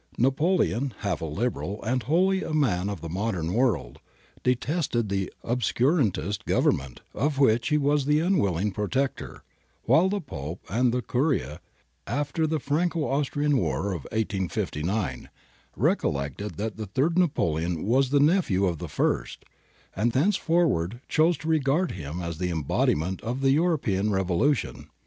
Napoleon, half a Liberal and wholly a man of the modern world, de tested the obscurantist Government of which he was the unwilling protector ; while the Pope and the curia, after the Franco Austrian war of 1859, recollected that the Third Napoleon was the nephew of the First, and thenceforward chose to regard him as the embodiment of the European revolution.